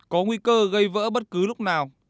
có nguy cơ gây vỡ bất cứ lúc nào